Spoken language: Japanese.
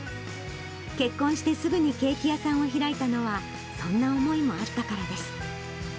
結婚してすぐにケーキ屋さんを開いたのは、そんな思いもあったからです。